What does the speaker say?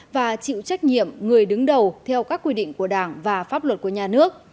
và chịu trách nhiệm người đứng đầu theo các quy định của đảng và pháp luật của nhà nước